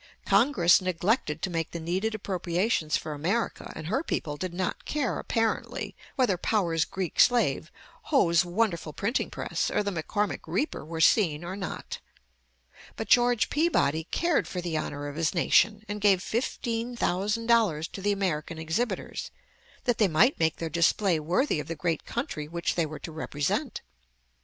Congress neglected to make the needed appropriations for America; and her people did not care, apparently, whether Powers' Greek Slave, Hoe's wonderful printing press, or the McCormick Reaper were seen or not. But George Peabody cared for the honor of his nation, and gave fifteen thousand dollars to the American exhibitors, that they might make their display worthy of the great country which they were to represent.